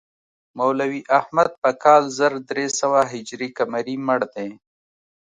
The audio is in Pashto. مولوي احمد په کال زر درې سوه هجري قمري مړ دی.